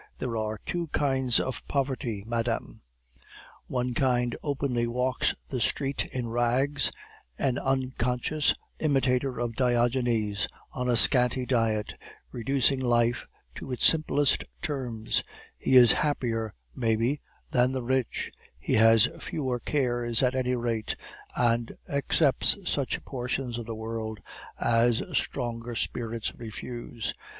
There are two kinds of poverty, madame. One kind openly walks the street in rags, an unconscious imitator of Diogenes, on a scanty diet, reducing life to its simplest terms; he is happier, maybe, than the rich; he has fewer cares at any rate, and accepts such portions of the world as stronger spirits refuse.